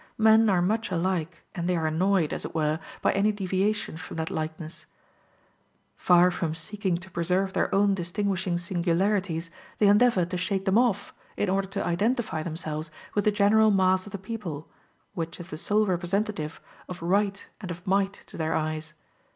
Men are much alike, and they are annoyed, as it were, by any deviation from that likeness: far from seeking to preserve their own distinguishing singularities, they endeavor to shake them off, in order to identify themselves with the general mass of the people, which is the sole representative of right and of might to their eyes.